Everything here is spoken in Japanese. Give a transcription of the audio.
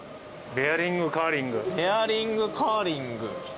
ベアリングカーリング。